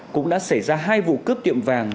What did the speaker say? cũng đã xảy ra hai vụ cướp tiệm vàng